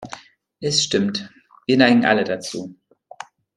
Es stimmt, wir neigen alle dazu.